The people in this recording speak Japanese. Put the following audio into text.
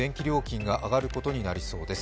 来月またしても電気料金が上がることになりそうです。